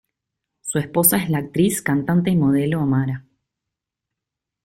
Su esposa es la actriz, cantante y modelo Amara.